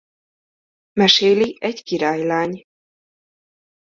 Meséli egy királylány.